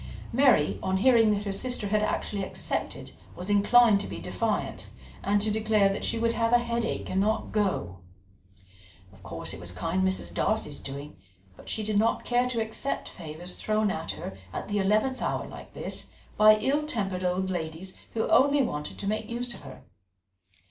Mary, on hearing that her sister had actually accepted, was inclined to be defiant, and to declare that she would have a headache and not go; of course it was kind Mrs. Darcy's doing, but she did not care to accept favours thrown at her at the eleventh hour like this, by ill tempered old ladies who only wanted to make use of her.